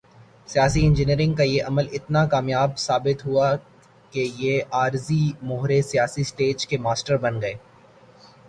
سیاسی انجینئرنگ کا یہ عمل اتنا کامیاب ثابت ہوا کہ یہ عارضی مہرے سیاسی سٹیج کے ماسٹر بن گئے۔